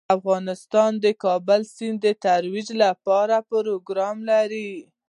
افغانستان د د کابل سیند د ترویج لپاره پروګرامونه لري.